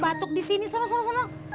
batuk disini suruh suruh suruh